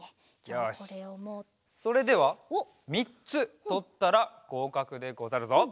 よしそれでは３つとったらごうかくでござるぞ。